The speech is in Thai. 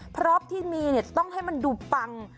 เพราะที่มีเนี่ยจะต้องให้มันดูปัง